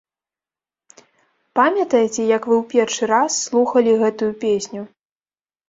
Памятаеце, як вы ў першы раз слухалі гэтую песню?